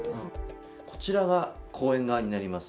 こちらが公園側になります。